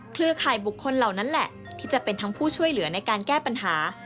เครือข่ายบุคคลเหล่านั้นแหละที่จะเป็นทั้งผู้ช่วยเหลือในการแก้ปัญหา